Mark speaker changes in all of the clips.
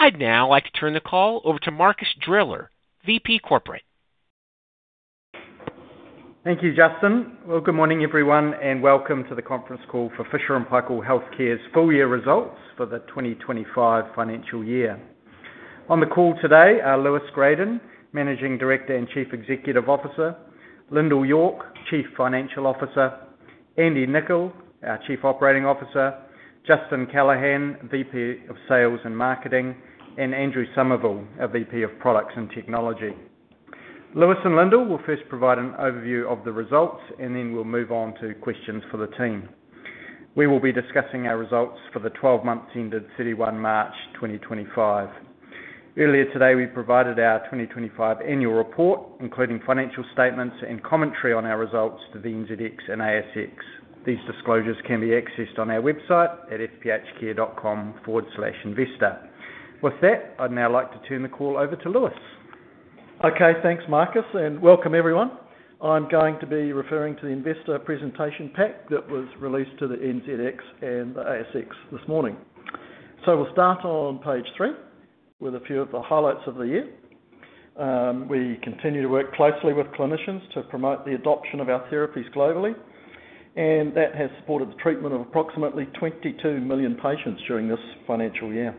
Speaker 1: I'd now like to turn the call over to Marcus Driller, VP Corporate.
Speaker 2: Thank you, Justin. Good morning, everyone, and welcome to the conference call for Fisher & Paykel Healthcare's full-year results for the 2025 financial year. On the call today are Lewis Gradon, Managing Director and Chief Executive Officer; Lyndal York, Chief Financial Officer; Andy Niccol, our Chief Operating Officer; Justin Callahan, VP of Sales and Marketing; and Andrew Somerville, our VP of Products and Technology. Lewis and Lyndal will first provide an overview of the results, and then we'll move on to questions for the team. We will be discussing our results for the 12-month period ended 31 March 2025. Earlier today, we provided our 2025 annual report, including financial statements and commentary on our results to the NZX and ASX. These disclosures can be accessed on our website at fphcare.com/investor. With that, I'd now like to turn the call over to Lewis.
Speaker 3: Okay, thanks, Marcus, and welcome, everyone. I'm going to be referring to the investor presentation pack that was released to the NZX and the ASX this morning. We will start on page three with a few of the highlights of the year. We continue to work closely with clinicians to promote the adoption of our therapies globally, and that has supported the treatment of approximately 22 million patients during this financial year.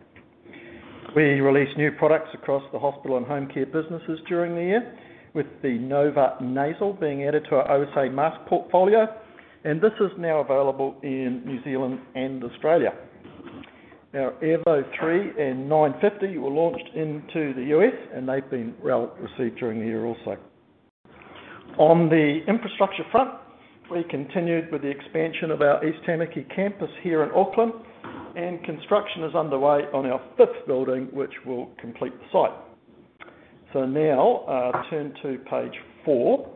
Speaker 3: We released new products across the hospital and home care businesses during the year, with the Nova Nasal being added to our OSA mask portfolio, and this is now available in New Zealand and Australia. Our Airvo 3 and 950 were launched into the U.S., and they've been well received during the year also. On the infrastructure front, we continued with the expansion of our East Tamaki campus here in Auckland, and construction is underway on our fifth building, which will complete the site. Now I'll turn to page four.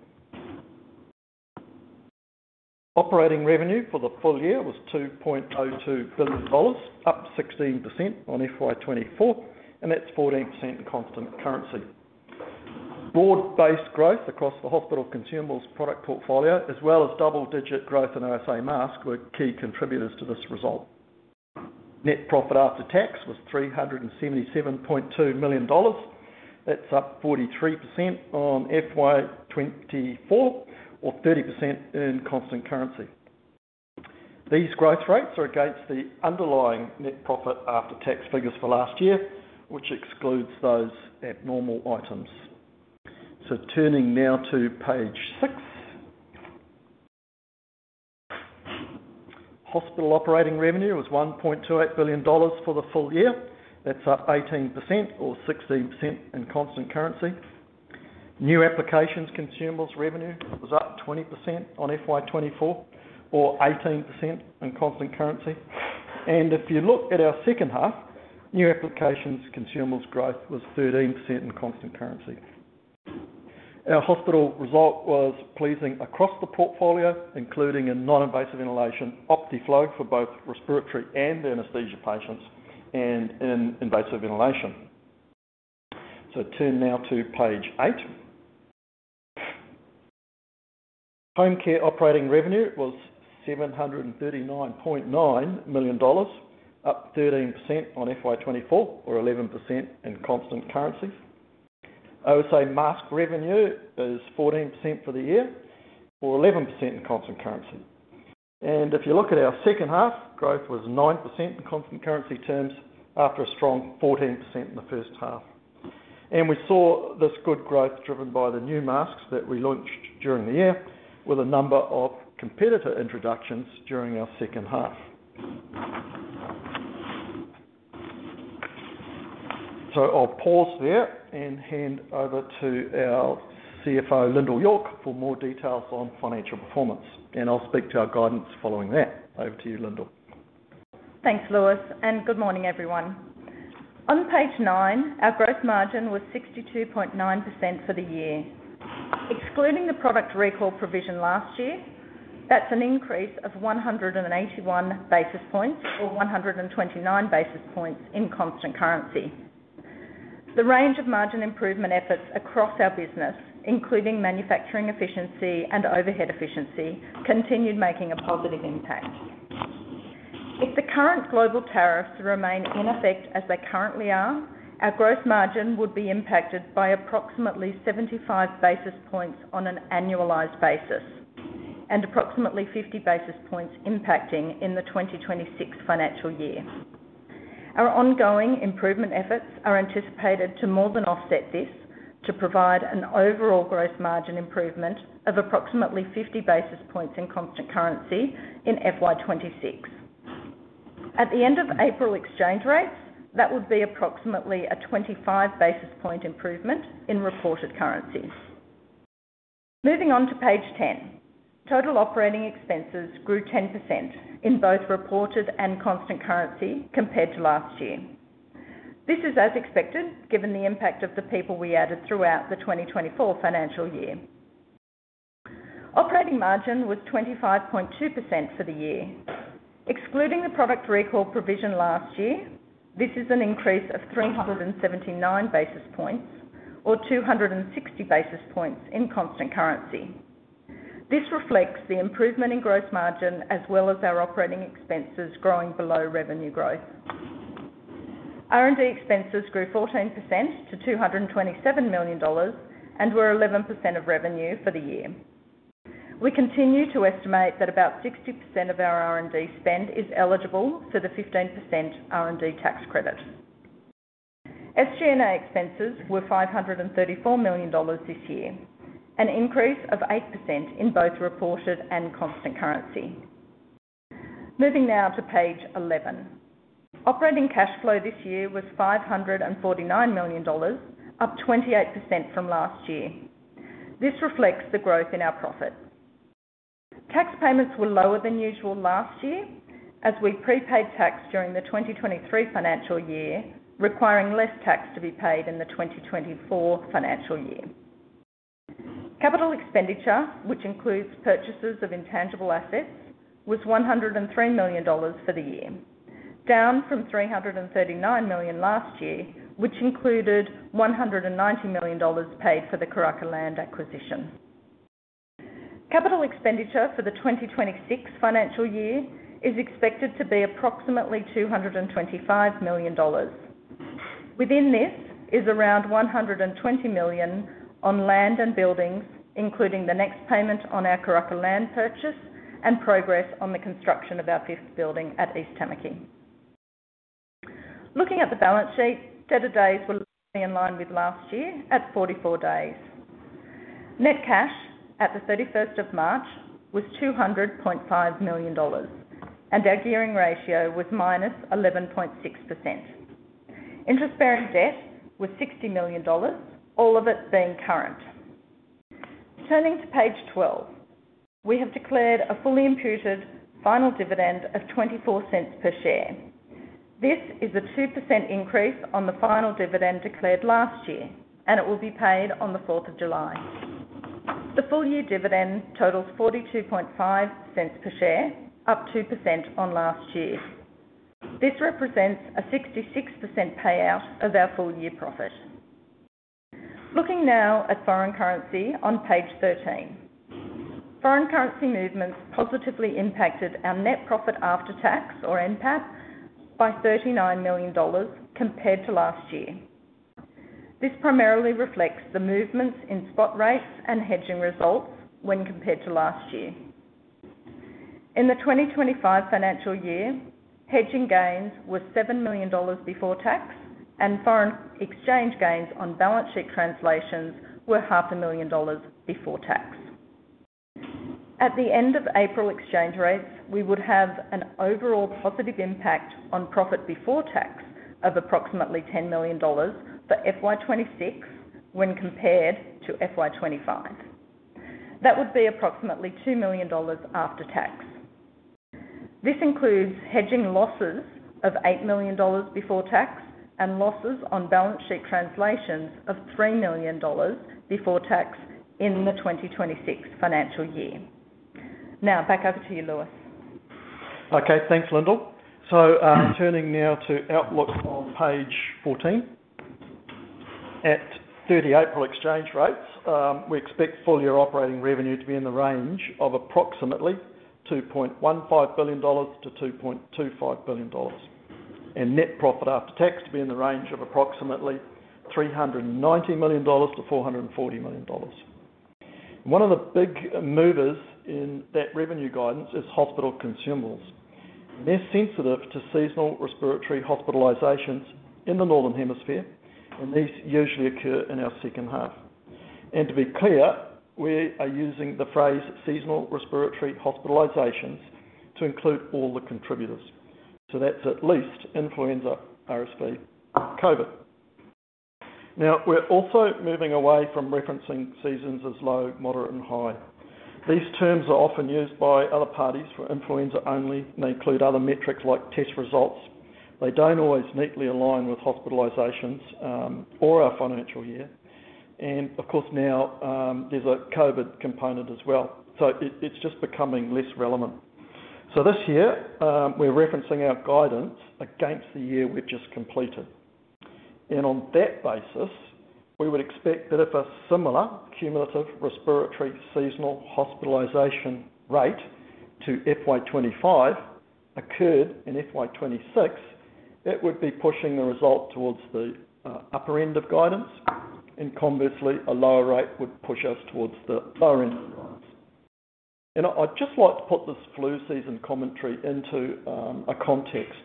Speaker 3: Operating revenue for the full year was NZD 2.02 billion, up 16% on FY 2024, and that's 14% in constant currency. Broad-based growth across the hospital consumables product portfolio, as well as double-digit growth in OSA mask, were key contributors to this result. Net profit after tax was 377.2 million dollars. That's up 43% on FY 2024, or 30% in constant currency. These growth rates are against the underlying net profit after tax figures for last year, which excludes those abnormal items. Turning now to page six. Hospital operating revenue was 1.28 billion dollars for the full year. That's up 18%, or 16% in constant currency. New applications consumables revenue was up 20% on FY 2024, or 18% in constant currency. If you look at our second half, new applications consumables growth was 13% in constant currency. Our hospital result was pleasing across the portfolio, including a non-invasive ventilation Optiflow for both respiratory and anesthesia patients and an invasive ventilation. Turn now to page eight. Home care operating revenue was NZD 739.9 million, up 13% on FY 2024, or 11% in constant currency. OSA mask revenue is 14% for the year, or 11% in constant currency. If you look at our second half, growth was 9% in constant currency terms after a strong 14% in the first half. We saw this good growth driven by the new masks that we launched during the year, with a number of competitor introductions during our second half. I'll pause there and hand over to our CFO, Lyndal York, for more details on financial performance, and I'll speak to our guidance following that. Over to you, Lyndal.
Speaker 4: Thanks, Lewis, and good morning, everyone. On page nine, our gross margin was 62.9% for the year. Excluding the product recall provision last year, that's an increase of 181 basis points, or 129 basis points in constant currency. The range of margin improvement efforts across our business, including manufacturing efficiency and overhead efficiency, continued making a positive impact. If the current global tariffs remain in effect as they currently are, our gross margin would be impacted by approximately 75 basis points on an annualized basis, and approximately 50 basis points impacting in the 2026 financial year. Our ongoing improvement efforts are anticipated to more than offset this, to provide an overall gross margin improvement of approximately 50 basis points in constant currency in FY 2026. At the end of April exchange rates, that would be approximately a 25 basis point improvement in reported currency. Moving on to page ten, total operating expenses grew 10% in both reported and constant currency compared to last year. This is as expected, given the impact of the people we added throughout the 2024 financial year. Operating margin was 25.2% for the year. Excluding the product recall provision last year, this is an increase of 379 basis points, or 260 basis points in constant currency. This reflects the improvement in gross margin as well as our Operating Expenses growing below revenue growth. R&D expenses grew 14% to 227 million dollars and were 11% of revenue for the year. We continue to estimate that about 60% of our R&D spend is eligible for the 15% R&D tax credit. SG&A expenses were 534 million dollars this year, an increase of 8% in both reported and constant currency. Moving now to page 11. Operating cash flow this year was 549 million dollars, up 28% from last year. This reflects the growth in our profit. Tax payments were lower than usual last year, as we prepaid tax during the 2023 financial year, requiring less tax to be paid in the 2024 financial year. Capital Expenditure, which includes purchases of intangible assets, was 103 million dollars for the year, down from 339 million last year, which included 190 million dollars paid for the Karaka Land acquisition. Capital Expenditure for the 2026 financial year is expected to be approximately 225 million dollars. Within this is around 120 million on land and buildings, including the next payment on our Karaka Land purchase and progress on the construction of our fifth building at East Tamaki. Looking at the balance sheet, debtor days were in line with last year at 44 days. Net cash at the 31st of March was 200.5 million dollars, and our gearing ratio was -11.6%. Interest-bearing debt was 60 million dollars, all of it being current. Turning to page 12, we have declared a fully imputed final dividend of 0.24 per share. This is a 2% increase on the final dividend declared last year, and it will be paid on the 4th of July. The full-year dividend totals 0.425 per share, up 2% on last year. This represents a 66% payout of our full-year profit. Looking now at foreign currency on page 13, foreign currency movements positively impacted our net profit after tax, or NPAT, by 39 million dollars compared to last year. This primarily reflects the movements in spot rates and hedging results when compared to last year. In the 2025 financial year, hedging gains were 7 million dollars before tax, and foreign exchange gains on balance sheet translations were 500,000 dollars before tax. At the end of April exchange rates, we would have an overall positive impact on profit before tax of approximately 10 million dollars for FY 2026 when compared to FY 2025. That would be approximately 2 million dollars after tax. This includes hedging losses of 8 million dollars before tax and losses on balance sheet translations of 3 million dollars before tax in the 2026 financial year. Now, back over to you, Lewis.
Speaker 3: Okay, thanks, Lyndal. Turning now to Outlook on page 14, at 30th April exchange rates, we expect full-year operating revenue to be in the range of approximately NZD 2.15 billion-NZD 2.25 billion, and net profit after tax to be in the range of approximately NZD 390 million-NZD 440 million. One of the big movers in that revenue guidance is hospital consumables. They are sensitive to seasonal respiratory hospitalisations in the northern hemisphere, and these usually occur in our second half. To be clear, we are using the phrase seasonal respiratory hospitalisations to include all the contributors. That is at least influenza, RSV, COVID. We are also moving away from referencing seasons as low, moderate, and high. These terms are often used by other parties for influenza only. They include other metrics like test results. They do not always neatly align with hospitalisations or our financial year. Of course, now there is a COVID component as well. It is just becoming less relevant. This year, we are referencing our guidance against the year we have just completed. On that basis, we would expect that if a similar cumulative respiratory seasonal hospitalisation rate to FY 2025 occurred in FY 2026, it would be pushing the result towards the upper end of guidance, and conversely, a lower rate would push us towards the lower end of guidance. I would just like to put this flu season commentary into a context.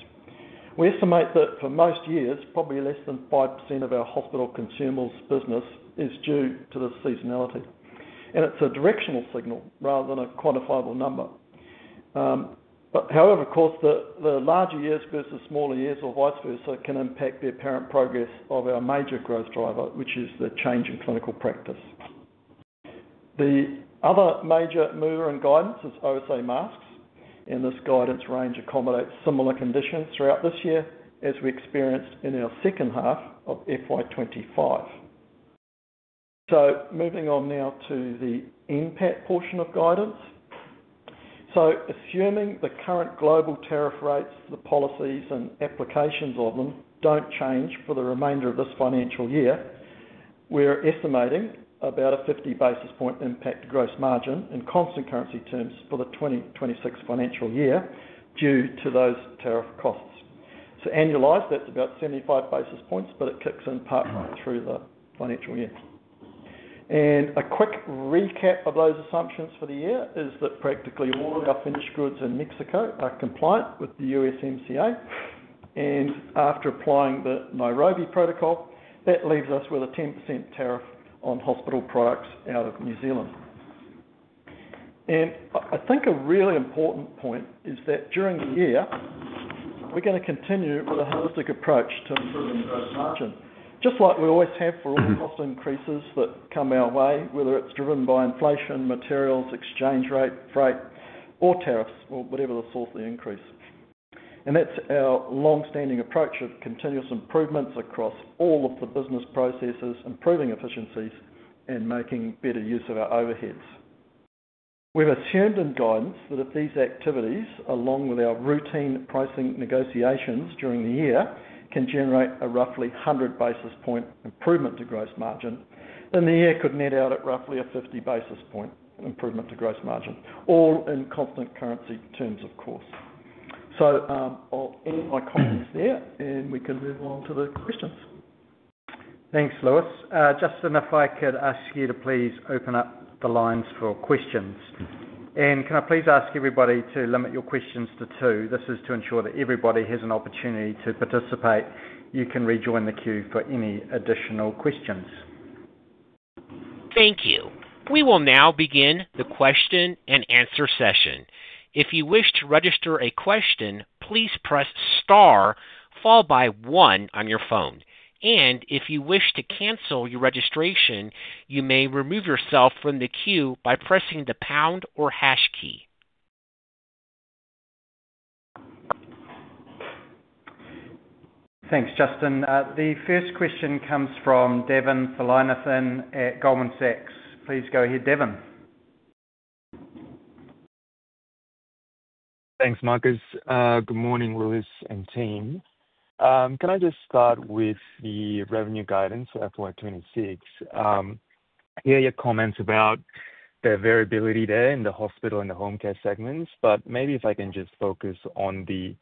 Speaker 3: We estimate that for most years, probably less than 5% of our hospital consumables business is due to the seasonality. It is a directional signal rather than a quantifiable number. However, of course, the larger years versus smaller years, or vice versa, can impact the apparent progress of our major growth driver, which is the change in clinical practice. The other major mover in guidance is OSA masks, and this guidance range accommodates similar conditions throughout this year, as we experienced in our second half of FY 2025. Moving on now to the NPAT portion of guidance. Assuming the current global tariff rates, the policies, and applications of them do not change for the remainder of this financial year, we are estimating about a 50 basis point impact to gross margin in constant currency terms for the 2026 financial year due to those tariff costs. Annualized, that is about 75 basis points, but it kicks in part-time through the financial year. A quick recap of those assumptions for the year is that practically all of our finished goods in Mexico are compliant with the USMCA. After applying the Nairobi Protocol, that leaves us with a 10% tariff on hospital products out of New Zealand. I think a really important point is that during the year, we're going to continue with a holistic approach to improving gross margin, just like we always have for all cost increases that come our way, whether it's driven by inflation, materials, exchange rate, freight, or tariffs, or whatever the source of the increase. That's our long-standing approach of continuous improvements across all of the business processes, improving efficiencies, and making better use of our overheads. We've assumed in guidance that if these activities, along with our routine pricing negotiations during the year, can generate a roughly 100 basis point improvement to gross margin, then the year could net out at roughly a 50 basis point improvement to gross margin, all in constant currency terms, of course. I'll end my comments there, and we can move on to the questions.
Speaker 2: Thanks, Lewis. Justin, if I could ask you to please open up the lines for questions. Can I please ask everybody to limit your questions to two? This is to ensure that everybody has an opportunity to participate. You can rejoin the queue for any additional questions.
Speaker 1: Thank you. We will now begin the question and answer session. If you wish to register a question, please press star, followed by one on your phone. If you wish to cancel your registration, you may remove yourself from the queue by pressing the pound or hash key.
Speaker 2: Thanks, Justin. The first question comes from Devin Thelonithan at Goldman Sachs. Please go ahead, Devin.
Speaker 5: Thanks, Marcus. Good morning, Lewis and team. Can I just start with the revenue guidance for FY 2026? I hear your comments about the variability there in the hospital and the home care segments, but maybe if I can just focus on the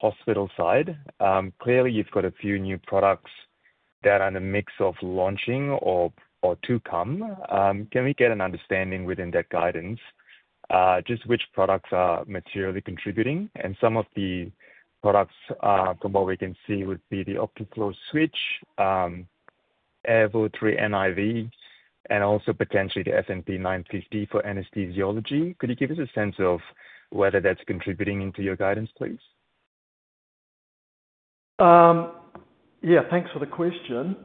Speaker 5: hospital side. Clearly, you've got a few new products that are in the mix of launching or to come. Can we get an understanding within that guidance, just which products are materially contributing? And some of the products, from what we can see, would be the Optiflow Switch, Airvo 3 NIV, and also potentially the F&P 950 for anesthesiology. Could you give us a sense of whether that's contributing into your guidance, please?
Speaker 3: Yeah, thanks for the question.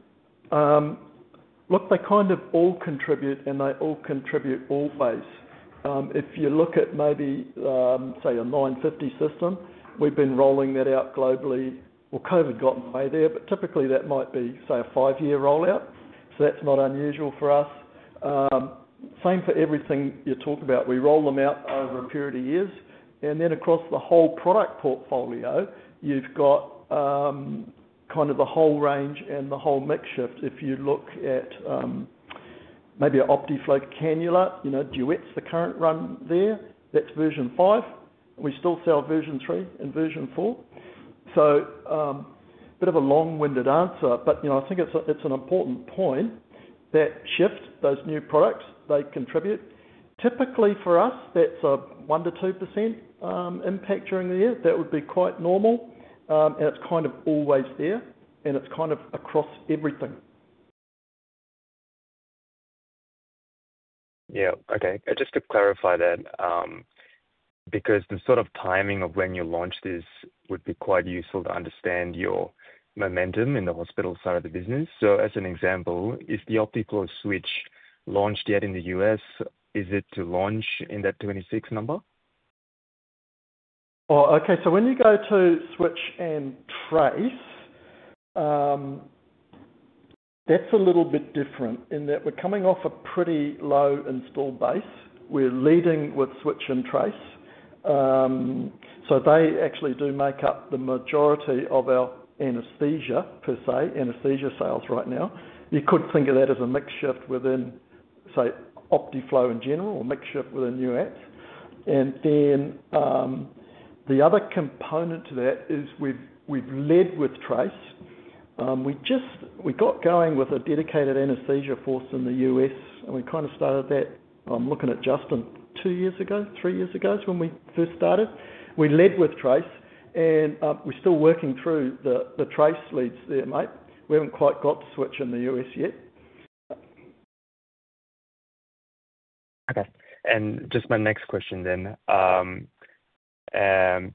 Speaker 3: Look, they kind of all contribute, and they all contribute all base. If you look at maybe, say, a 950 system, we've been rolling that out globally. COVID got in the way there, but typically that might be, say, a five-year rollout. That is not unusual for us. Same for everything you talk about. We roll them out over a period of years. Across the whole product portfolio, you've got kind of the whole range and the whole mix shift. If you look at maybe Optiflow Cannula, Duet's the current run there. That is version five. We still sell version three and version four. A bit of a long-winded answer, but I think it is an important point. That shift, those new products, they contribute. Typically for us, that is a 1%-2% impact during the year. That would be quite normal. It is kind of always there, and it is kind of across everything.
Speaker 5: Yeah. Okay. Just to clarify that, because the sort of timing of when you launch this would be quite useful to understand your momentum in the hospital side of the business. As an example, is the Optiflow Switch launched yet in the U.S.? Is it to launch in that 26 number?
Speaker 3: Okay. When you go to Switch and Trace, that's a little bit different in that we're coming off a pretty low install base. We're leading with Switch and Trace, so they actually do make up the majority of our anaesthesia, per se, anaesthesia sales right now. You could think of that as a mix shift within, say, Optiflow in general, a mix shift with a nuance. The other component to that is we've led with Trace. We got going with a dedicated anaesthesia force in the U.S., and we kind of started that, I'm looking at Justin, two years ago, three years ago is when we first started. We led with Trace, and we're still working through the Trace leads there, mate. We haven't quite got to Switch in the U.S. yet.
Speaker 5: Okay. Just my next question then.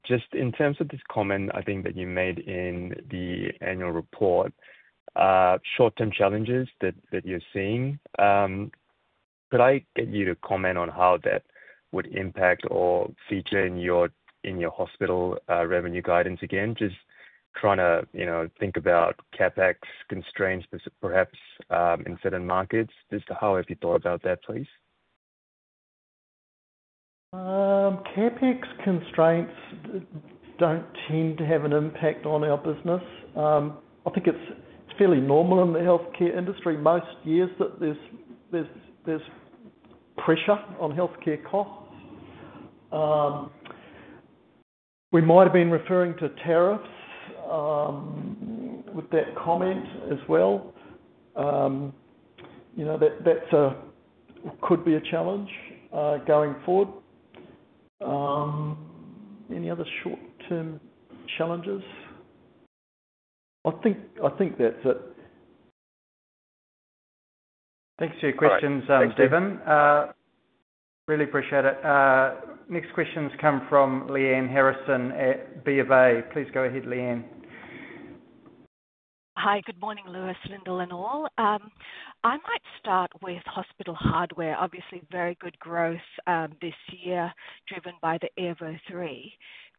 Speaker 5: Just in terms of this comment I think that you made in the annual report, short-term challenges that you're seeing, could I get you to comment on how that would impact or feature in your hospital revenue guidance again? Just trying to think about CapEx constraints, perhaps, in certain markets. Just how have you thought about that, please?
Speaker 3: CapEx constraints don't tend to have an impact on our business. I think it's fairly normal in the healthcare industry most years that there's pressure on healthcare costs. We might have been referring to tariffs with that comment as well. That could be a challenge going forward. Any other short-term challenges? I think that's it.
Speaker 2: Thanks for your questions, Devin. Really appreciate it. Next questions come from Lyanne Harrison at BofA. Please go ahead, Lyanne.
Speaker 6: Hi, good morning, Lewis, Lyndal, and all. I might start with hospital hardware. Obviously, very good growth this year driven by the Airvo 3.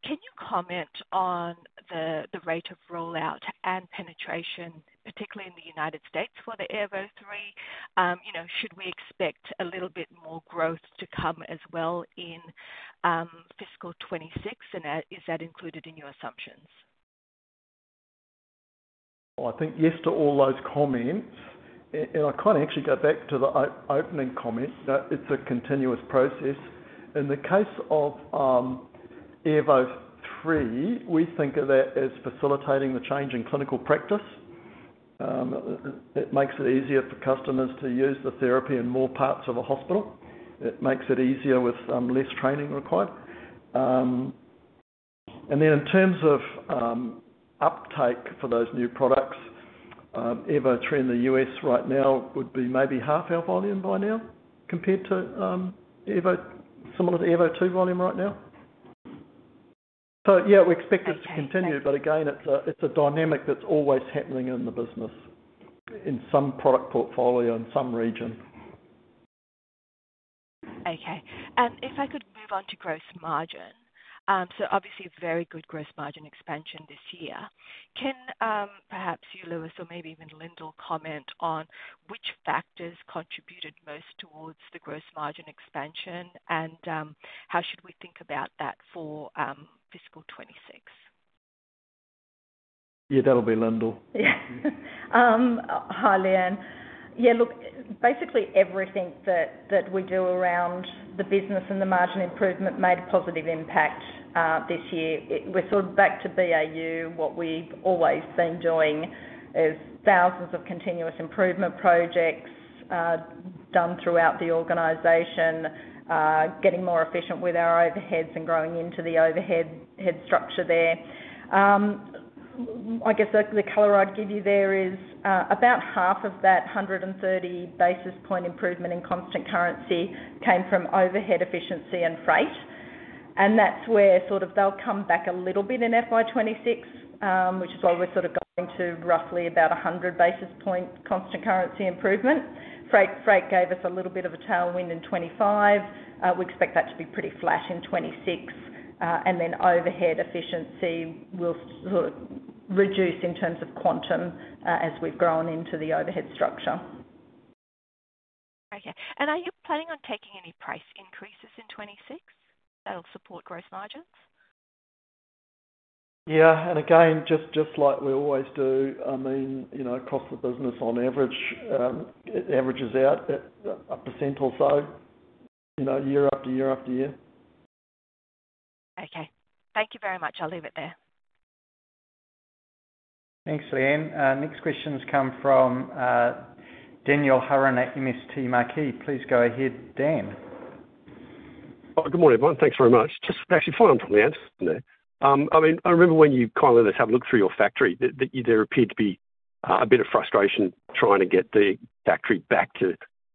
Speaker 6: Can you comment on the rate of rollout and penetration, particularly in the United States for the Airvo 3? Should we expect a little bit more growth to come as well in fiscal 2026? Is that included in your assumptions?
Speaker 3: I think yes to all those comments. I kind of actually go back to the opening comment. It's a continuous process. In the case of Airvo 3, we think of that as facilitating the change in clinical practice. It makes it easier for customers to use the therapy in more parts of a hospital. It makes it easier with less training required. In terms of uptake for those new products, Airvo 3 in the U.S. right now would be maybe half our volume by now compared to similar to Airvo 2 volume right now. Yeah, we expect it to continue, but again, it's a dynamic that's always happening in the business in some product portfolio in some region.
Speaker 6: Okay. If I could move on to gross margin. Obviously, very good gross margin expansion this year. Can perhaps you, Lewis, or maybe even Lyndal, comment on which factors contributed most towards the gross margin expansion, and how should we think about that for fiscal 2026?
Speaker 3: Yeah, that'll be Lyndal.
Speaker 4: Hi, Leanne. Yeah, look, basically everything that we do around the business and the margin improvement made a positive impact this year. We're sort of back to BAU. What we've always been doing is thousands of continuous improvement projects done throughout the organization, getting more efficient with our overheads and growing into the overhead structure there. I guess the color I'd give you there is about half of that 130 basis point improvement in constant currency came from overhead efficiency and freight. That's where they'll come back a little bit in FY 2026, which is why we're sort of going to roughly about 100 basis point constant currency improvement. Freight gave us a little bit of a tailwind in 2025. We expect that to be pretty flat in 2026. Overhead efficiency will sort of reduce in terms of quantum as we've grown into the overhead structure.
Speaker 6: Okay. Are you planning on taking any price increases in 2026 that'll support gross margins?
Speaker 3: Yeah. Again, just like we always do, I mean, across the business, on average, it averages out a percent or so year after year after year.
Speaker 6: Okay. Thank you very much. I'll leave it there.
Speaker 2: Thanks, Lyanne. Next questions come from Daniel Hurren at MST Marquee. Please go ahead, Dan.
Speaker 7: Good morning, everyone. Thanks very much. Just actually following from Lyanne's there. I mean, I remember when you kind of let us have a look through your factory, that there appeared to be a bit of frustration trying to get the factory back to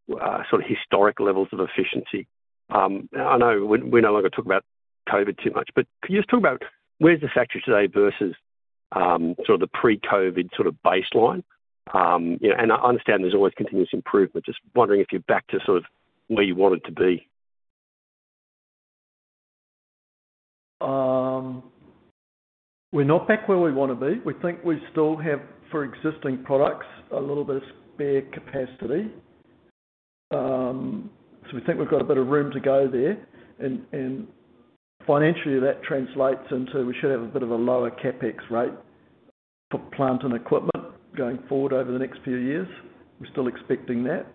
Speaker 7: sort of historic levels of efficiency. I know we no longer talk about COVID too much, but could you just talk about where's the factory today versus sort of the pre-COVID sort of baseline? I understand there's always continuous improvement. Just wondering if you're back to sort of where you wanted to be.
Speaker 3: We're not back where we want to be. We think we still have for existing products a little bit of spare capacity. We think we've got a bit of room to go there. Financially, that translates into we should have a bit of a lower CapEx rate for plant and equipment going forward over the next few years. We're still expecting that.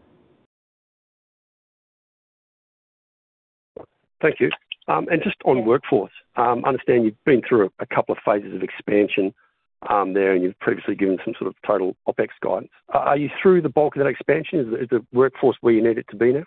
Speaker 7: Thank you. Just on workforce, I understand you have been through a couple of phases of expansion there, and you have previously given some sort of total OpEx guidance. Are you through the bulk of that expansion? Is the workforce where you need it to be now?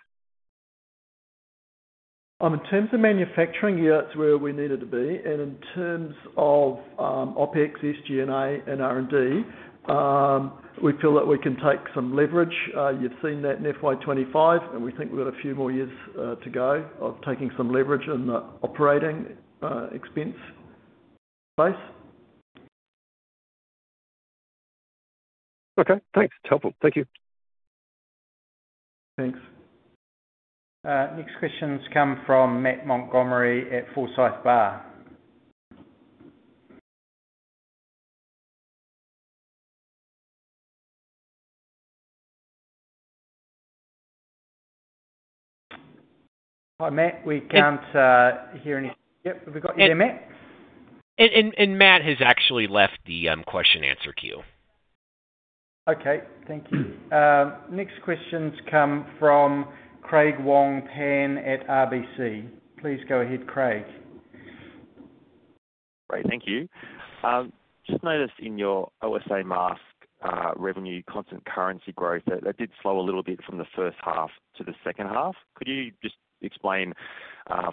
Speaker 3: In terms of manufacturing, yeah, it's where we need it to be. In terms of OpEx, SG&A, and R&D, we feel that we can take some leverage. You've seen that in FY 2025, and we think we've got a few more years to go of taking some leverage in the operating expense space.
Speaker 7: Okay. Thanks. It's helpful. Thank you.
Speaker 3: Thanks.
Speaker 2: Next questions come from Matt Montgomerie at Forsyth Barr. Hi, Matt. We can't hear anything. Yep. Have we got you there, Matt?
Speaker 1: Matt has actually left the question-answer queue.
Speaker 3: Okay. Thank you. Next questions come from Craig Wong-Pan at RBC. Please go ahead, Craig.
Speaker 8: Great. Thank you. Just noticed in your OSA mask revenue constant currency growth, that did slow a little bit from the first half to the second half. Could you just explain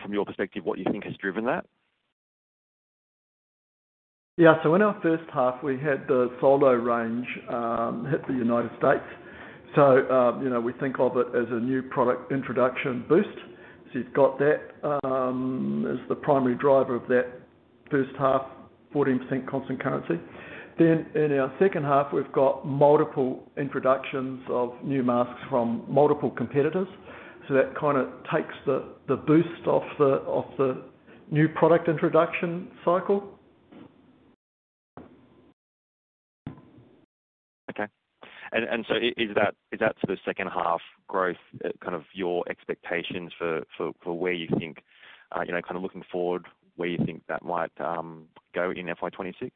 Speaker 8: from your perspective what you think has driven that?
Speaker 3: Yeah. In our first half, we had the Solo range hit the United States. We think of it as a new product introduction boost. You have that as the primary driver of that first half, 14% constant currency. In our second half, we have multiple introductions of new masks from multiple competitors. That kind of takes the boost off the new product introduction cycle.
Speaker 8: Okay. Is that for the second half growth kind of your expectations for where you think kind of looking forward, where you think that might go in FY 2026?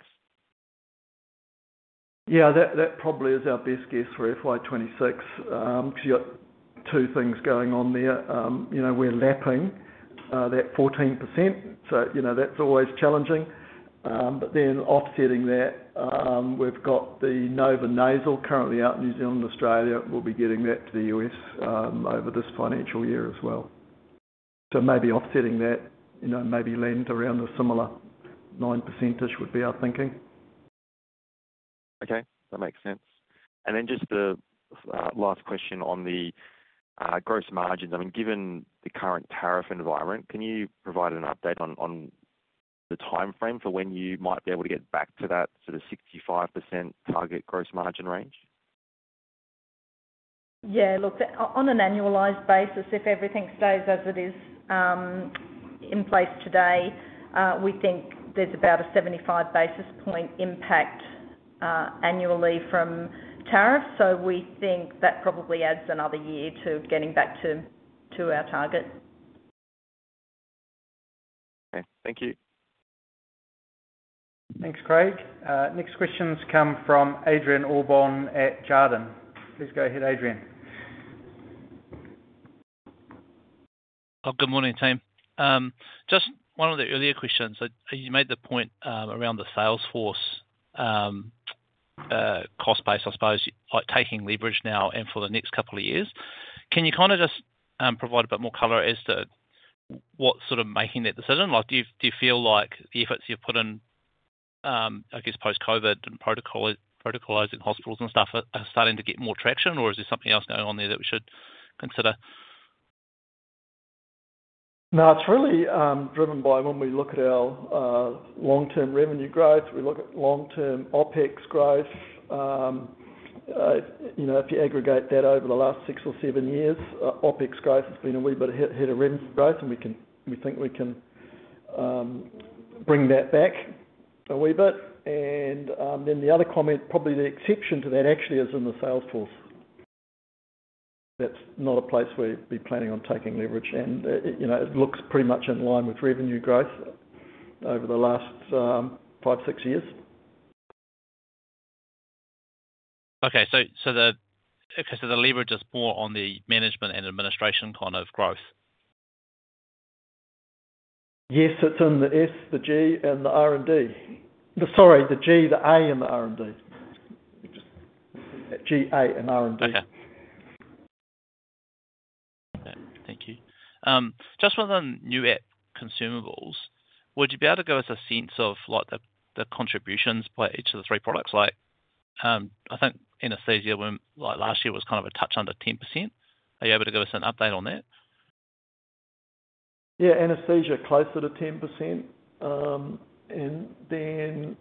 Speaker 3: Yeah. That probably is our best guess for FY 2026 because you've got two things going on there. We're lapping that 14%. That's always challenging. Offsetting that, we've got the Nova Nasal currently out in New Zealand, Australia. We'll be getting that to the U.S. over this financial year as well. Maybe offsetting that, maybe land around a similar 9%-ish would be our thinking.
Speaker 8: Okay. That makes sense. I mean, given the current tariff environment, can you provide an update on the timeframe for when you might be able to get back to that sort of 65% target gross margin range?
Speaker 4: Yeah. Look, on an annualised basis, if everything stays as it is in place today, we think there is about a 75 basis point impact annually from tariffs. We think that probably adds another year to getting back to our target.
Speaker 8: Okay. Thank you.
Speaker 2: Thanks, Craig. Next questions come from Adrian Allbon at Jarden. Please go ahead, Adrian.
Speaker 9: Good morning, team. Just one of the earlier questions. You made the point around the Salesforce cost base, I suppose, taking leverage now and for the next couple of years. Can you kind of just provide a bit more colour as to what's sort of making that decision? Do you feel like the efforts you've put in, I guess, post-COVID and protocolising hospitals and stuff are starting to get more traction, or is there something else going on there that we should consider?
Speaker 3: No, it's really driven by when we look at our long-term revenue growth. We look at long-term OpEx growth. If you aggregate that over the last six or seven years, OpEx growth has been a wee bit ahead of revenue growth, and we think we can bring that back a wee bit. The other comment, probably the exception to that actually is in the Salesforce. That's not a place we'd be planning on taking leverage. It looks pretty much in line with revenue growth over the last five, six years.
Speaker 9: Okay. So the leverage is more on the management and administration kind of growth?
Speaker 3: Yes. It's in the S, the G, and the R&D. Sorry, the G, the A, and the R&D. G, A, and R&D.
Speaker 9: Okay. Thank you. Just with the new app consumables, would you be able to give us a sense of the contributions by each of the three products? I think anesthesia, last year, was kind of a touch under 10%. Are you able to give us an update on that?
Speaker 3: Yeah. Anesthesia, closer to 10%. And then,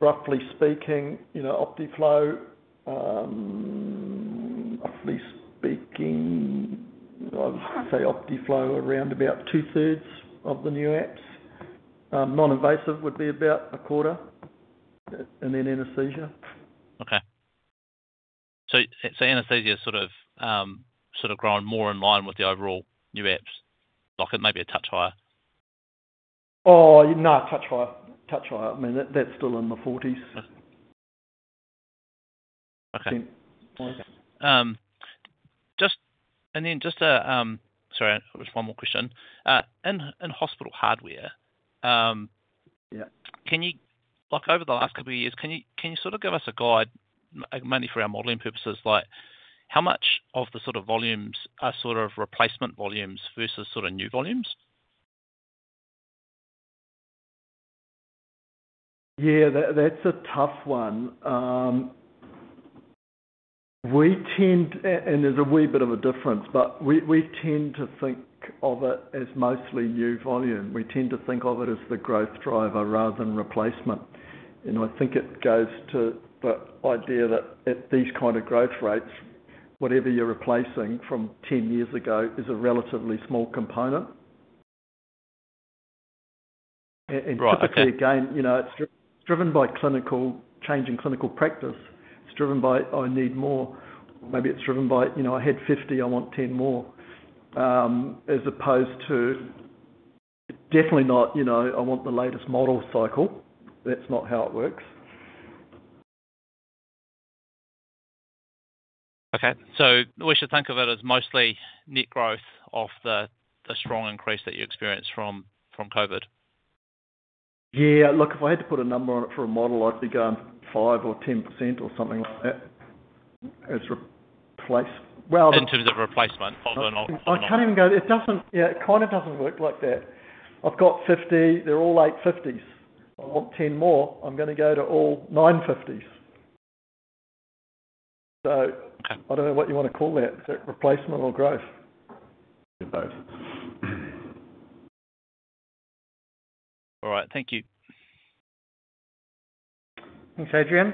Speaker 3: roughly speaking, Optiflow, roughly speaking, I would say Optiflow around about 2/3 of the new apps. Non-invasive would be about 1/4. And then anesthesia.
Speaker 9: Okay. So Anesthesia has sort of grown more in line with the overall new apps, like maybe a touch higher?
Speaker 3: Oh, no, touch higher. Touch higher. I mean, that's still in the 40s.
Speaker 9: Okay. Sorry, just one more question. In hospital hardware, over the last couple of years, can you sort of give us a guide, mainly for our modelling purposes, how much of the sort of volumes are sort of replacement volumes versus sort of new volumes?
Speaker 3: Yeah. That's a tough one. There is a wee bit of a difference, but we tend to think of it as mostly new volume. We tend to think of it as the growth driver rather than replacement. I think it goes to the idea that at these kind of growth rates, whatever you are replacing from 10 years ago is a relatively small component. Typically, again, it is driven by changing clinical practice. It is driven by, "I need more." Maybe it is driven by, "I had 50, I want 10 more," as opposed to definitely not, "I want the latest model cycle." That is not how it works.
Speaker 9: Okay. So we should think of it as mostly net growth of the strong increase that you experienced from COVID?
Speaker 3: Yeah. Look, if I had to put a number on it for a model, I'd be going 5% or 10% or something like that as replacement.
Speaker 9: In terms of replacement of an.
Speaker 3: I can't even go—yeah, it kind of doesn't work like that. I've got 50. They're all 850s. I want 10 more. I'm going to go to all 950s. So I don't know what you want to call that, replacement or growth?
Speaker 9: Both. All right. Thank you.
Speaker 2: Thanks, Adrian.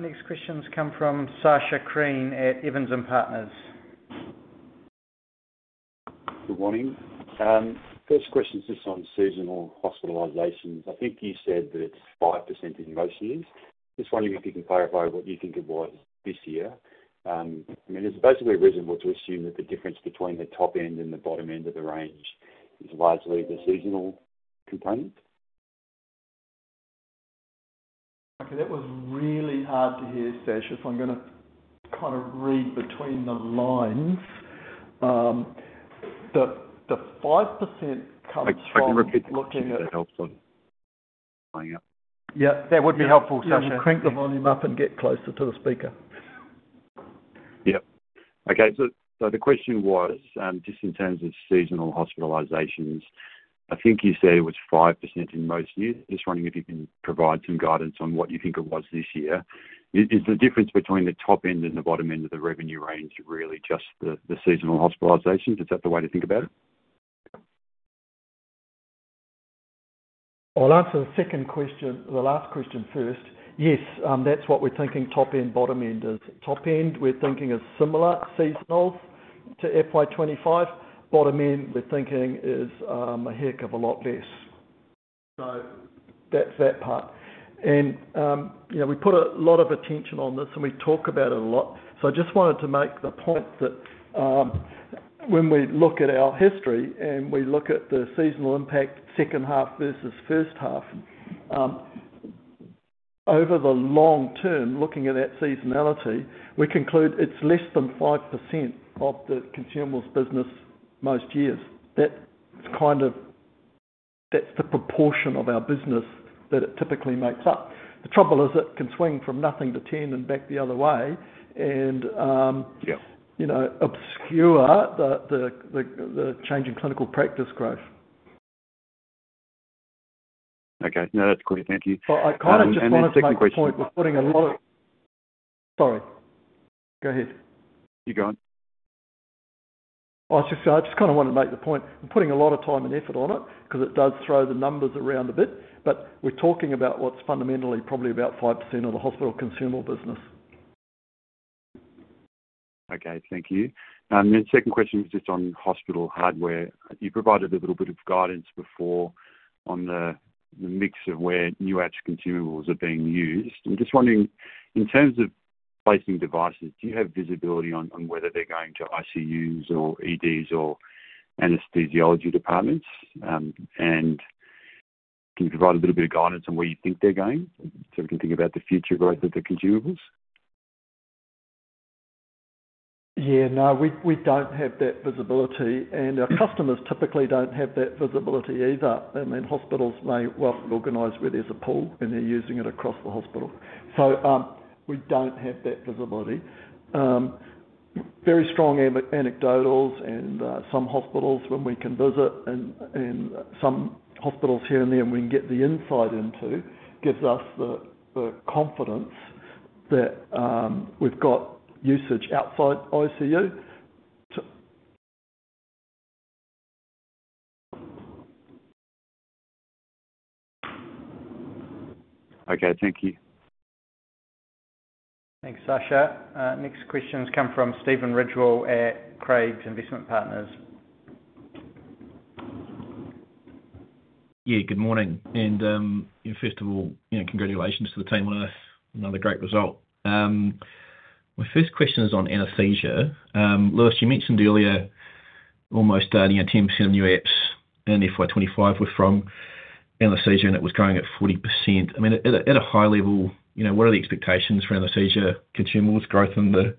Speaker 2: Next questions come from Sacha Krien at EVANS & PARTNERS.
Speaker 10: Good morning. First question is just on seasonal hospitalisations. I think you said that it's 5% in most years. Just wondering if you can clarify what you think it was this year. I mean, is it basically reasonable to assume that the difference between the top end and the bottom end of the range is largely the seasonal component?
Speaker 3: Okay. That was really hard to hear, Sacha. If I'm going to kind of read between the lines, the 5% comes from looking at.
Speaker 10: I'm just trying to repeat the question if that helps on following up.
Speaker 3: Yeah. That would be helpful, Sacha. I'm going to crank the volume up and get closer to the speaker.
Speaker 10: Yep. Okay. So the question was, just in terms of seasonal hospitalisations, I think you said it was 5% in most years. Just wondering if you can provide some guidance on what you think it was this year. Is the difference between the top end and the bottom end of the revenue range really just the seasonal hospitalisations? Is that the way to think about it?
Speaker 3: I'll answer the second question, the last question first. Yes, that's what we're thinking top end, bottom end is. Top end, we're thinking is similar seasonal to FY 2025. Bottom end, we're thinking is a heck of a lot less. That's that part. We put a lot of attention on this, and we talk about it a lot. I just wanted to make the point that when we look at our history and we look at the seasonal impact, second half versus first half, over the long term, looking at that seasonality, we conclude it's less than 5% of the consumables business most years. That's the proportion of our business that it typically makes up. The trouble is it can swing from nothing to 10% and back the other way and obscure the change in clinical practice growth.
Speaker 10: Okay. No, that's great. Thank you.
Speaker 3: I kind of just want to make the point we're putting a lot of—sorry. Go ahead.
Speaker 10: You go on.
Speaker 3: I just kind of want to make the point. We're putting a lot of time and effort on it because it does throw the numbers around a bit. We're talking about what's fundamentally probably about 5% of the hospital consumable business.
Speaker 10: Okay. Thank you. The second question was just on hospital hardware. You provided a little bit of guidance before on the mix of where new apps consumables are being used. I'm just wondering, in terms of placing devices, do you have visibility on whether they're going to ICUs or EDs or anaesthesiology departments? Can you provide a little bit of guidance on where you think they're going so we can think about the future growth of the consumables?
Speaker 3: Yeah. No, we don't have that visibility. Our customers typically don't have that visibility either. I mean, hospitals may well organize where there's a pool, and they're using it across the hospital. We don't have that visibility. Very strong anecdotals and some hospitals when we can visit and some hospitals here and there we can get the insight into gives us the confidence that we've got usage outside ICU.
Speaker 10: Okay. Thank you.
Speaker 2: Thanks, Sacha. Next questions come from Stephen Ridgewell at Craigs Investment Partners.
Speaker 11: Yeah. Good morning. And first of all, congratulations to the team on another great result. My first question is on anaesthesia. Lewis, you mentioned earlier almost 10% of new apps in FY 2025 were from anaesthesia, and it was growing at 40%. I mean, at a high level, what are the expectations for anaesthesia consumables growth in the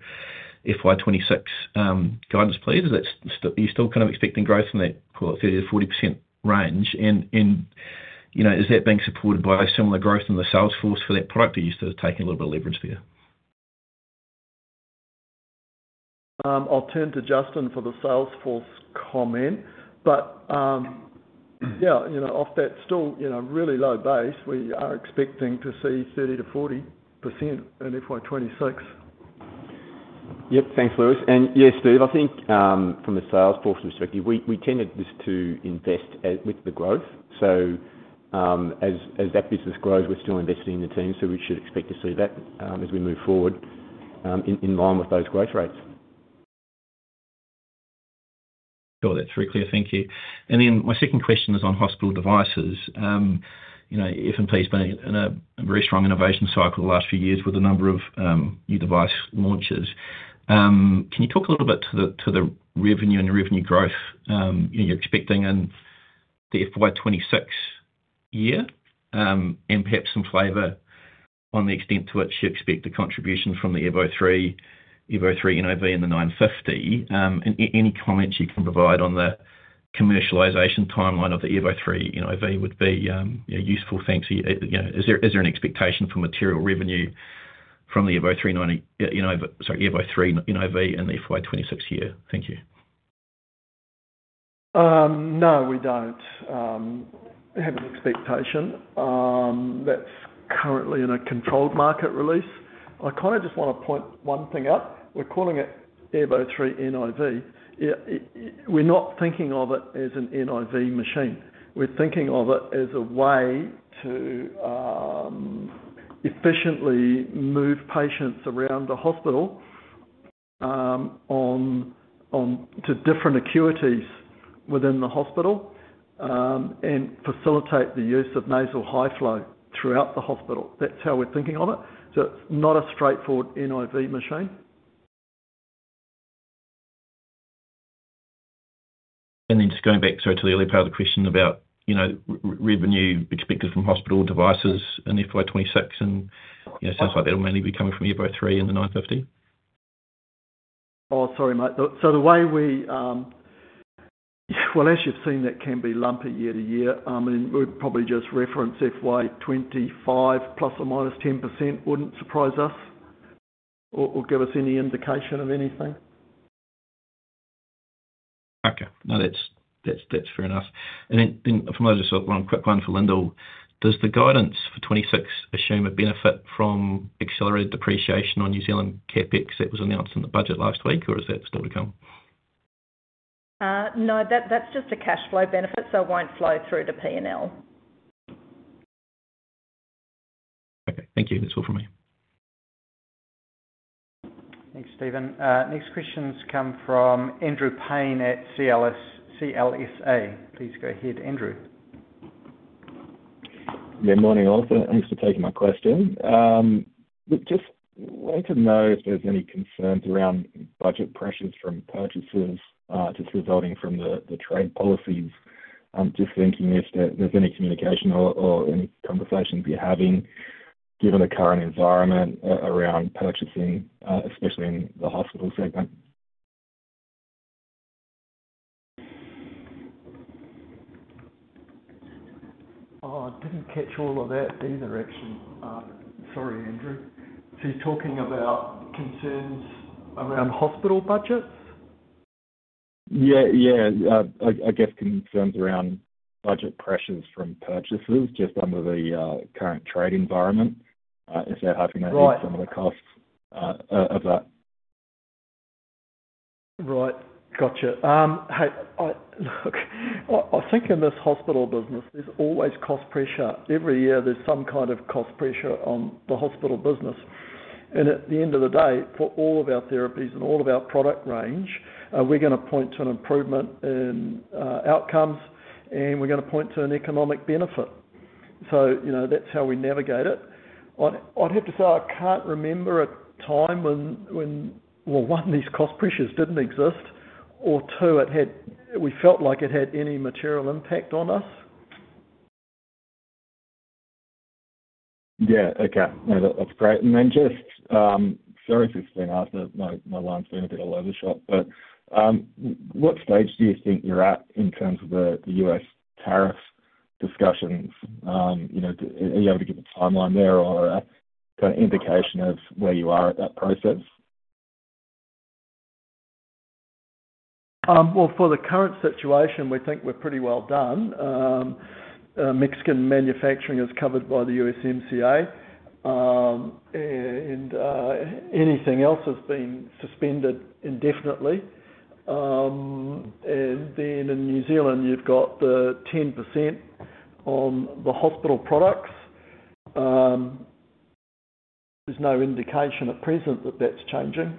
Speaker 11: FY 2026 guidance, please? Are you still kind of expecting growth in that 30%-40% range? And is that being supported by similar growth in the Salesforce for that product, or are you still taking a little bit of leverage there?
Speaker 3: I'll turn to Justin for the Salesforce comment. Yeah, off that still really low base, we are expecting to see 30-40% in FY 2026.
Speaker 12: Yep. Thanks, Lewis. Yes, Stephen, I think from a Salesforce perspective, we tended to invest with the growth. As that business grows, we're still investing in the team. We should expect to see that as we move forward in line with those growth rates.
Speaker 11: Sure. That's very clear. Thank you. My second question is on hospital devices. F&P has been in a very strong innovation cycle the last few years with a number of new device launches. Can you talk a little bit to the revenue and revenue growth you're expecting in the FY 2026 year and perhaps some flavor on the extent to which you expect the contribution from the Airvo 3, Airvo 3 NIV, and the 950? Any comments you can provide on the commercialization timeline of the Airvo 3, I think it would be useful. Thanks. Is there an expectation for material revenue from the Airvo 3, sorry, Airvo 3 NIV, and 950 in the FY 2026 year? Thank you.
Speaker 3: No, we don't. We have an expectation that's currently in a controlled market release. I kind of just want to point one thing out. We're calling it Airvo 3 NIV. We're not thinking of it as an NIV machine. We're thinking of it as a way to efficiently move patients around the hospital to different acuities within the hospital and facilitate the use of nasal high flow throughout the hospital. That's how we're thinking of it. So it's not a straightforward NIV machine.
Speaker 11: Just going back, sorry, to the earlier part of the question about revenue expected from hospital devices in FY 2026 and stuff like that, it'll mainly be coming from Airvo 3 and the 950?
Speaker 3: Oh, sorry, mate. The way we—well, as you've seen, that can be lumpy year to year. I mean, we'd probably just reference FY 2025, plus or minus 10%, wouldn't surprise us or give us any indication of anything.
Speaker 11: Okay. No, that's fair enough. From those, just one quick one for Lyndal. Does the guidance for 2026 assume a benefit from accelerated depreciation on New Zealand CapEx that was announced in the budget last week, or is that still to come?
Speaker 4: No, that's just a cash flow benefit, so it won't flow through to P&L.
Speaker 11: Okay. Thank you. That's all from me.
Speaker 2: Thanks, Stephen. Next questions come from Andrew Paine at CLSA. Please go ahead, Andrew.
Speaker 13: Good morning, Arthur. Thanks for taking my question. Just wanted to know if there's any concerns around budget pressures from purchases just resulting from the trade policies. Just thinking if there's any communication or any conversations you're having given the current environment around purchasing, especially in the hospital segment.
Speaker 3: I didn't catch all of that either, actually. Sorry, Andrew. So you're talking about concerns around hospital budgets?
Speaker 13: Yeah. Yeah. I guess concerns around budget pressures from purchases just under the current trade environment. Is that happening? I think some of the costs of that.
Speaker 3: Right. Gotcha. Look, I think in this hospital business, there's always cost pressure. Every year, there's some kind of cost pressure on the hospital business. At the end of the day, for all of our therapies and all of our product range, we're going to point to an improvement in outcomes, and we're going to point to an economic benefit. That's how we navigate it. I'd have to say I can't remember a time when, one, these cost pressures didn't exist, or two, we felt like it had any material impact on us.
Speaker 13: Yeah. Okay. No, that's great. Just seriously, sorry, my line's been a bit all over the shop, but what stage do you think you're at in terms of the U.S. tariff discussions? Are you able to give a timeline there or kind of indication of where you are at that process?
Speaker 3: For the current situation, we think we're pretty well done. Mexican manufacturing is covered by the USMCA, and anything else has been suspended indefinitely. In New Zealand, you've got the 10% on the hospital products. There's no indication at present that that's changing.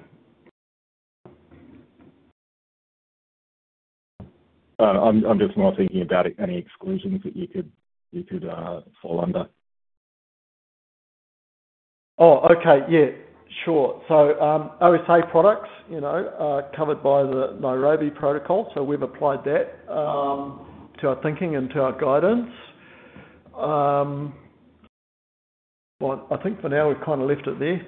Speaker 13: I'm just not thinking about any exclusions that you could fall under.
Speaker 3: Oh, okay. Yeah. Sure. OSA products covered by the Nairobi Protocol. We've applied that to our thinking and to our guidance. I think for now, we've kind of left it there.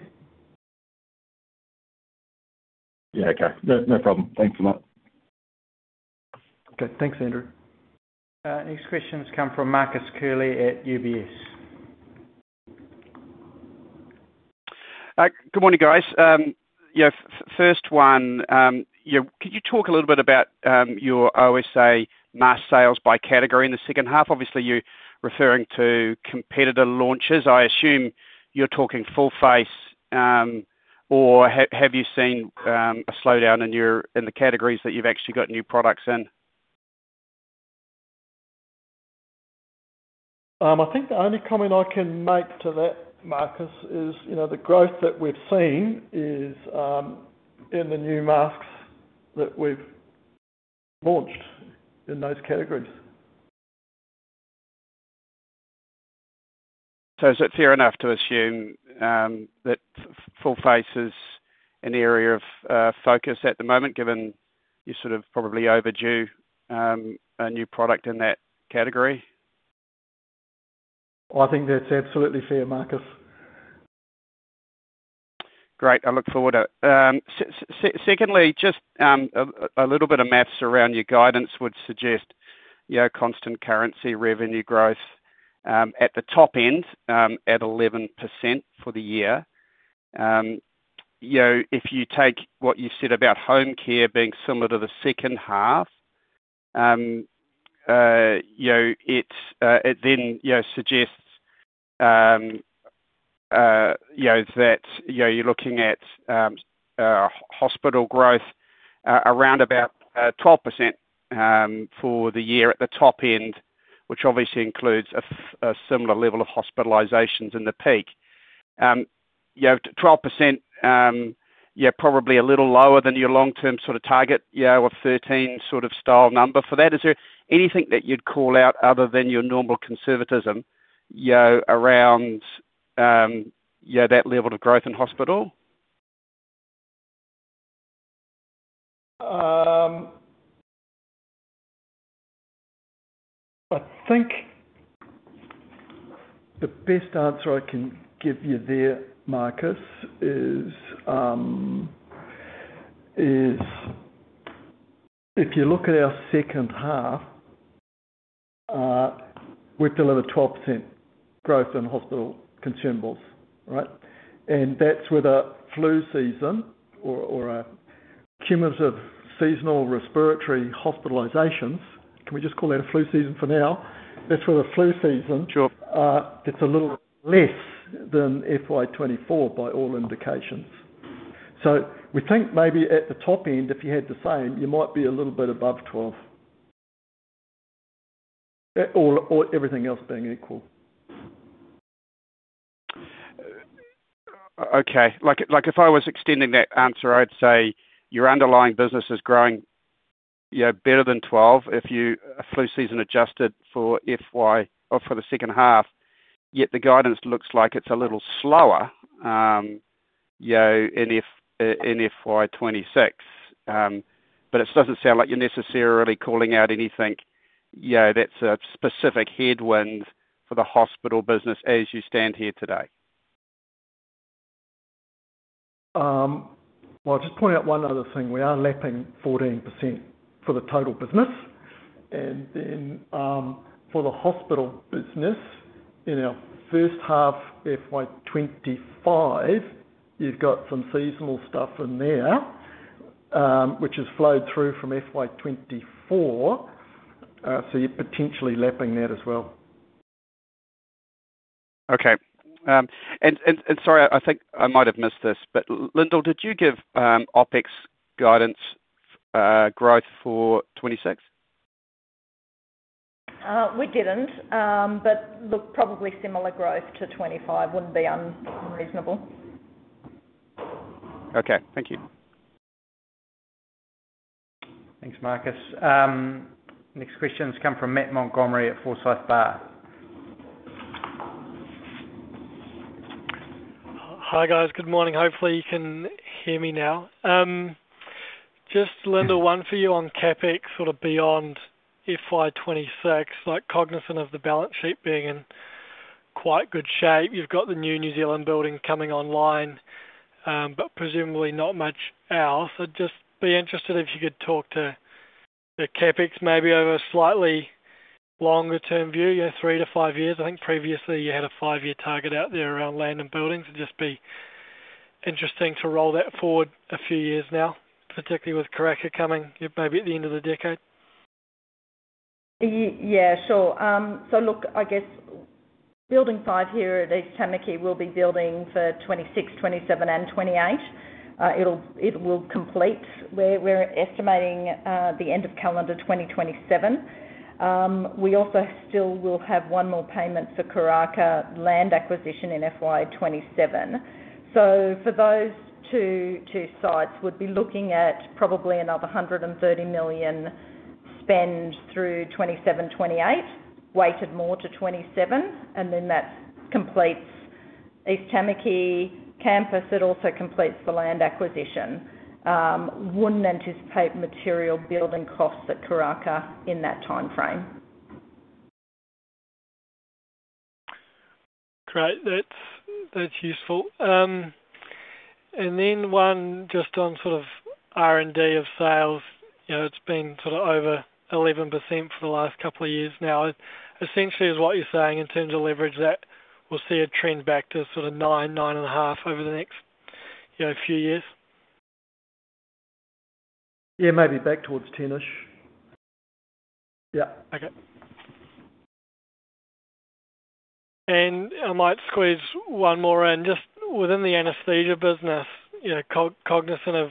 Speaker 13: Yeah. Okay. No problem. Thanks for that.
Speaker 3: Okay. Thanks, Andrew.
Speaker 2: Next questions come from Marcus Curley at UBS.
Speaker 14: Good morning, guys. First one, could you talk a little bit about your OSA mask sales by category in the second half? Obviously, you're referring to competitor launches. I assume you're talking full face, or have you seen a slowdown in the categories that you've actually got new products in?
Speaker 3: I think the only comment I can make to that, Marcus, is the growth that we've seen is in the new masks that we've launched in those categories.
Speaker 14: Is it fair enough to assume that full face is an area of focus at the moment, given you sort of probably overdue a new product in that category?
Speaker 3: I think that's absolutely fair, Marcus.
Speaker 14: Great. I look forward to it. Secondly, just a little bit of maths around your guidance would suggest constant currency revenue growth at the top end at 11% for the year. If you take what you said about home care being similar to the second half, it then suggests that you're looking at hospital growth around about 12% for the year at the top end, which obviously includes a similar level of hospitalisations in the peak. 12%, probably a little lower than your long-term sort of target of 13% sort of stall number for that. Is there anything that you'd call out other than your normal conservatism around that level of growth in hospital?
Speaker 3: I think the best answer I can give you there, Marcus, is if you look at our second half, we've delivered 12% growth in hospital consumables, right? And that's with a flu season or a cumulative seasonal respiratory hospitalisations. Can we just call that a flu season for now? That's with a flu season that's a little less than FY 2024 by all indications. We think maybe at the top end, if you had the same, you might be a little bit above 12% or everything else being equal.
Speaker 14: Okay. If I was extending that answer, I'd say your underlying business is growing better than 12% if you flu season adjusted for FY or for the second half, yet the guidance looks like it's a little slower in FY 2026. It doesn't sound like you're necessarily calling out anything that's a specific headwind for the hospital business as you stand here today.
Speaker 3: I'll just point out one other thing. We are lapping 14% for the total business. And then for the hospital business, in our first half, FY 2025, you've got some seasonal stuff in there, which has flowed through from FY 2024. So you're potentially lapping that as well.
Speaker 14: Okay. Sorry, I think I might have missed this, but Lyndal, did you give OpEx guidance growth for 2026?
Speaker 4: We did not. Look, probably similar growth to 2025 would not be unreasonable.
Speaker 14: Okay. Thank you.
Speaker 2: Thanks, Marcus. Next questions come from Matt Montgomerie at Forsyth Barr.
Speaker 15: Hi, guys. Good morning. Hopefully, you can hear me now. Just Lyndal, one for you on CapEx sort of beyond FY 2026, cognizant of the balance sheet being in quite good shape. You've got the new New Zealand building coming online, but presumably not much else. I'd just be interested if you could talk to CapEx maybe over a slightly longer-term view, three to five years. I think previously, you had a five-year target out there around land and buildings. It'd just be interesting to roll that forward a few years now, particularly with Karaka coming maybe at the end of the decade.
Speaker 4: Yeah. Sure. So look, I guess building five here at East Tamaki will be building for 2026, 2027, and 2028. It will complete. We're estimating the end of calendar 2027. We also still will have one more payment for Karaka land acquisition in FY 2027. So for those two sites, we'd be looking at probably another 130 million spend through 2027-2028, weighted more to 2027. That completes East Tamaki campus. It also completes the land acquisition. Wouldn't anticipate material building costs at Karaka in that timeframe.
Speaker 15: Great. That's useful. Then one just on sort of R&D of sales. It's been sort of over 11% for the last couple of years now. Essentially, is what you're saying in terms of leverage that we'll see a trend back to sort of 9%-9.5% over the next few years?
Speaker 3: Yeah. Maybe back towards 10%-ish. Yeah.
Speaker 15: Okay. I might squeeze one more in. Just within the anaesthesia business, cognizant of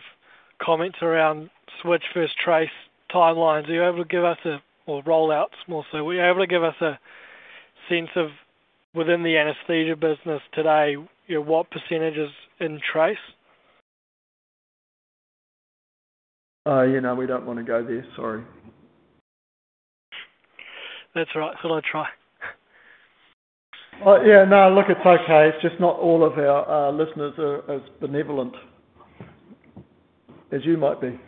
Speaker 15: comments around Switch first Trace timelines, are you able to give us a, or rollouts more so? Are you able to give us a sense of within the anaesthesia business today, what percentage is in Trace?
Speaker 3: We don't want to go there. Sorry.
Speaker 15: That's all right. I'll try.
Speaker 3: Yeah. No, look, it's okay. It's just not all of our listeners are as benevolent as you might be.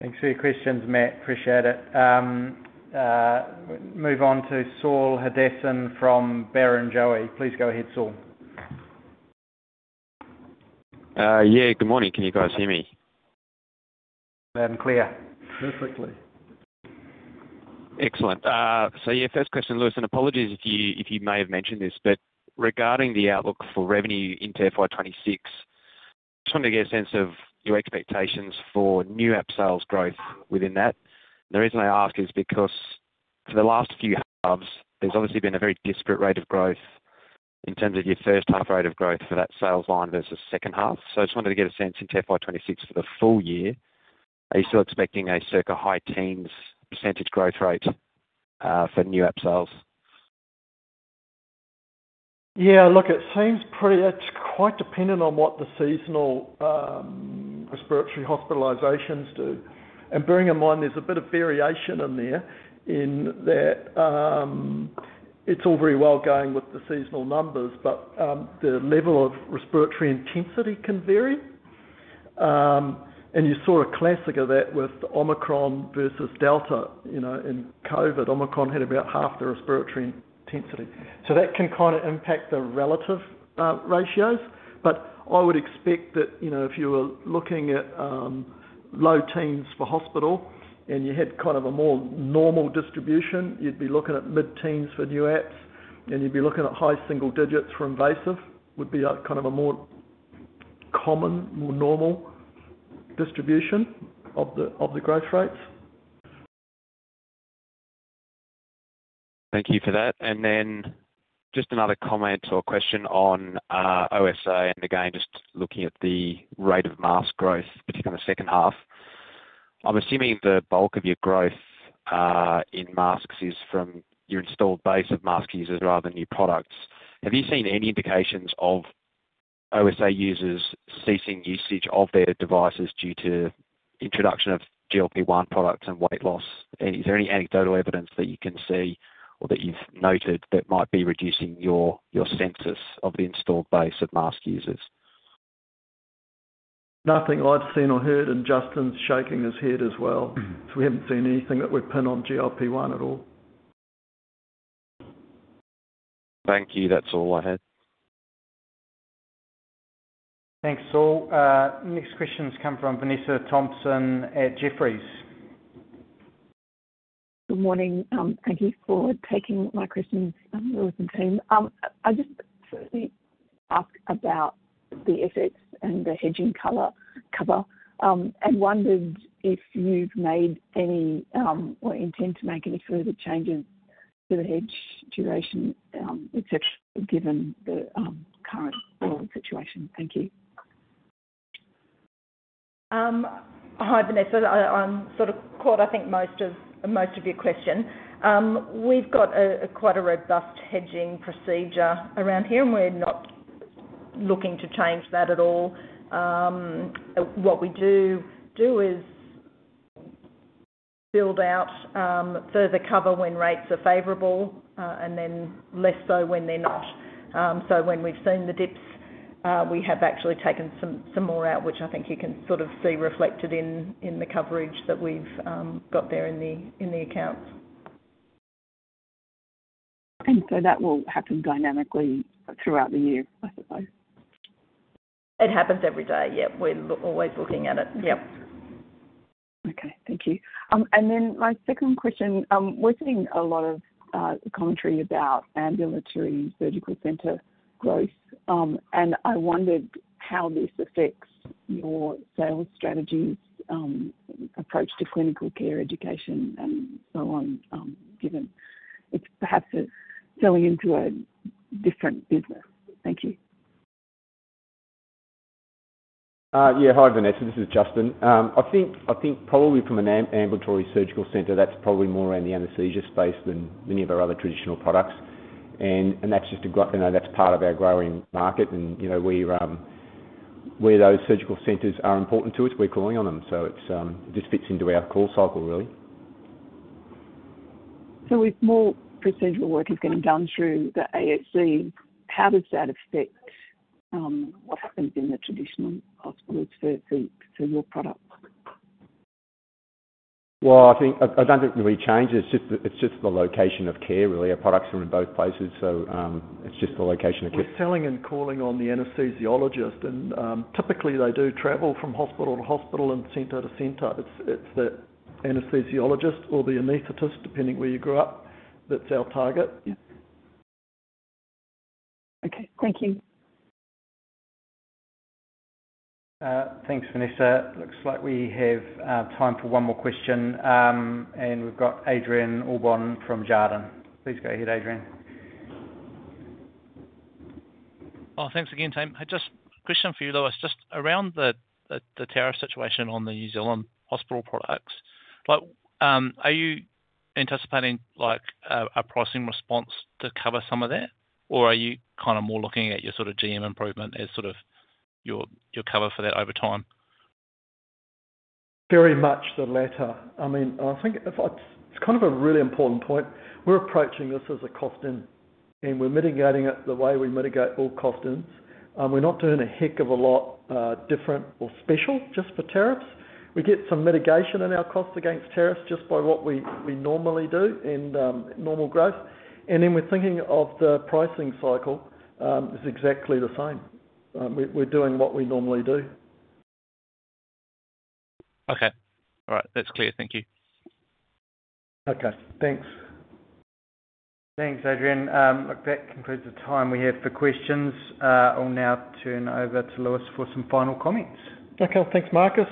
Speaker 2: Thanks for your questions, Matt. Appreciate it. Move on to Saul Hadassin from Barrenjoey. Please go ahead, Saul.
Speaker 16: Yeah. Good morning. Can you guys hear me?
Speaker 2: Loud and clear.
Speaker 3: Perfectly.
Speaker 16: Excellent. Yeah, first question, Lewis, and apologies if you may have mentioned this, but regarding the outlook for revenue into FY 2026, just wanted to get a sense of your expectations for new app sales growth within that. The reason I ask is because for the last few halves, there's obviously been a very disparate rate of growth in terms of your first half rate of growth for that sales line versus second half. I just wanted to get a sense into FY 2026 for the full year. Are you still expecting a circa high teens percentage growth rate for new app sales?
Speaker 3: Yeah. Look, it seems pretty, it's quite dependent on what the seasonal respiratory hospitalisations do. Bearing in mind, there's a bit of variation in there in that it's all very well going with the seasonal numbers, but the level of respiratory intensity can vary. You saw a classic of that with Omicron versus Delta in COVID. Omicron had about half the respiratory intensity. That can kind of impact the relative ratios. I would expect that if you were looking at low teens for hospital and you had kind of a more normal distribution, you'd be looking at mid-teens for new apps, and you'd be looking at high single digits for invasive would be kind of a more common, more normal distribution of the growth rates.
Speaker 16: Thank you for that. Just another comment or question on OSA and again, just looking at the rate of mask growth, particularly in the second half. I'm assuming the bulk of your growth in masks is from your installed base of mask users rather than new products. Have you seen any indications of OSA users ceasing usage of their devices due to introduction of GLP-1 products and weight loss? Is there any anecdotal evidence that you can see or that you've noted that might be reducing your census of the installed base of mask users?
Speaker 3: Nothing I'd seen or heard and Justin's shaking his head as well. We haven't seen anything that would pin on GLP-1 at all.
Speaker 16: Thank you. That's all I had.
Speaker 2: Thanks, Saul. Next questions come from Vanessa Thomson at Jefferies.
Speaker 17: Good morning. Thank you for taking my questions, Lewis and team. I just asked about the effects and the hedging cover, and wondered if you've made any or intend to make any further changes to the hedge duration, etc., given the current situation. Thank you.
Speaker 4: Hi, Vanessa. I sort of caught, I think, most of your question. We've got quite a robust hedging procedure around here, and we're not looking to change that at all. What we do do is build out further cover when rates are favorable and then less so when they're not. When we've seen the dips, we have actually taken some more out, which I think you can sort of see reflected in the coverage that we've got there in the accounts.
Speaker 17: That will happen dynamically throughout the year, I suppose.
Speaker 4: It happens every day. Yeah. We're always looking at it. Yeah.
Speaker 17: Okay. Thank you. Then my second question, we're seeing a lot of commentary about ambulatory surgical center growth, and I wondered how this affects your sales strategies, approach to clinical care, education, and so on, given it's perhaps selling into a different business. Thank you.
Speaker 12: Yeah. Hi, Vanessa. This is Justin. I think probably from an ambulatory surgical center, that's probably more in the anesthesia space than any of our other traditional products. That is just a part of our growing market. Where those surgical centers are important to us, we are calling on them. It just fits into our call cycle, really.
Speaker 17: With more procedural work is getting done through the ASC, how does that affect what happens in the traditional hospitals for your products?
Speaker 12: I do not think it really changes. It is just the location of care, really. Our products are in both places, so it is just the location of care.
Speaker 3: We're selling and calling on the anesthesiologist. Typically, they do travel from hospital to hospital and center to center. It's the anesthesiologist or the anesthetist, depending where you grew up, that's our target.
Speaker 17: Okay. Thank you.
Speaker 2: Thanks, Vanessa. Looks like we have time for one more question. We've got Adrian Allbon from Jarden. Please go ahead, Adrian.
Speaker 9: Oh, thanks again, team. Just a question for you, Lewis, just around the tariff situation on the New Zealand hospital products. Are you anticipating a pricing response to cover some of that, or are you kind of more looking at your sort of GM improvement as sort of your cover for that over time?
Speaker 3: Very much the latter. I mean, I think it's kind of a really important point. We're approaching this as a cost in, and we're mitigating it the way we mitigate all cost ins. We're not doing a heck of a lot different or special just for tariffs. We get some mitigation in our costs against tariffs just by what we normally do and normal growth. Then we're thinking of the pricing cycle is exactly the same. We're doing what we normally do.
Speaker 9: Okay. All right. That's clear. Thank you.
Speaker 3: Okay. Thanks.
Speaker 2: Thanks, Adrian. Look, that concludes the time we have for questions. I'll now turn over to Lewis for some final comments.
Speaker 3: Okay. Thanks, Marcus.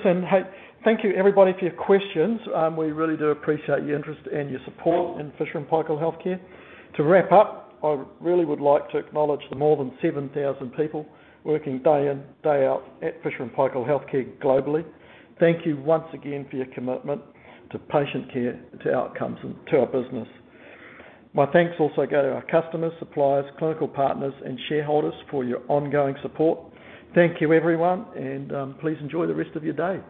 Speaker 3: Thank you, everybody, for your questions. We really do appreciate your interest and your support in Fisher & Paykel Healthcare. To wrap up, I really would like to acknowledge the more than 7,000 people working day in, day out at Fisher & Paykel Healthcare globally. Thank you once again for your commitment to patient care, to outcomes, and to our business. My thanks also go to our customers, suppliers, clinical partners, and shareholders for your ongoing support. Thank you, everyone, and please enjoy the rest of your day.